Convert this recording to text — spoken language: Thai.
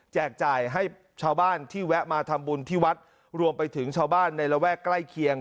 จ่ายให้ชาวบ้านที่แวะมาทำบุญที่วัดรวมไปถึงชาวบ้านในระแวกใกล้เคียง